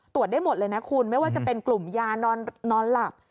ได้หมดเลยนะคุณไม่ว่าจะเป็นกลุ่มยานอนหลับ